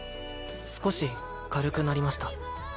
少し軽くなりました